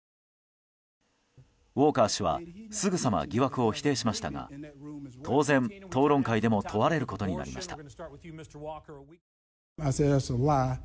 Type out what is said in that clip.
ウォーカー氏はすぐさま疑惑を否定しましたが当然、討論会でも問われることになりました。